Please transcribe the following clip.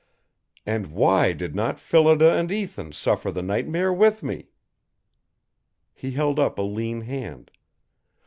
And why did not Phillida and Ethan suffer the nightmare with me?" He held up a lean hand.